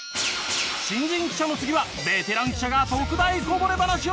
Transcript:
新人記者の次はベテラン記者が特大こぼれ話を狙う！